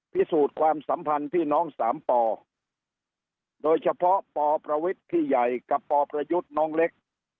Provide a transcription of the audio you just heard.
พิสูจน์ความสัมพันธ์พี่น้องสามปโดยเฉพาะปประวิทย์พี่ใหญ่กับปประยุทธ์น้องเล็ก